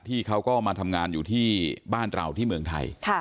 เขาก็มาทำงานอยู่ที่บ้านเราที่เมืองไทย